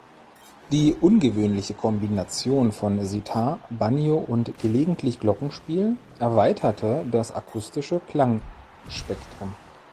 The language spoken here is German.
Die ungewöhnliche Kombination von Sitar, Banjo und gelegentlich Glockenspiel erweiterte das akustische Klangspektrum.